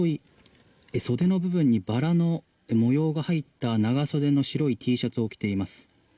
袖の部分にバラの模様が入った長袖の白いＴシャツを着ています。